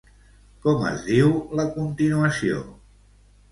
Com es diu la continuació?